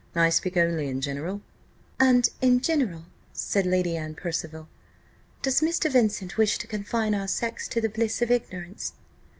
I speak only in general." "And in general," said Lady Anne Percival, "does Mr. Vincent wish to confine our sex to the bliss of ignorance?"